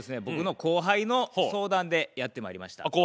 僕の後輩の相談でやってまいりました。